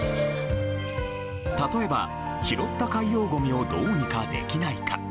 例えば、拾った海洋ごみをどうにかできないか。